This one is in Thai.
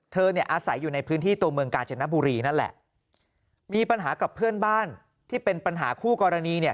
เนี่ยอาศัยอยู่ในพื้นที่ตัวเมืองกาญจนบุรีนั่นแหละมีปัญหากับเพื่อนบ้านที่เป็นปัญหาคู่กรณีเนี่ย